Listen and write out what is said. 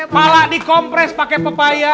malah di kompres pakai papaya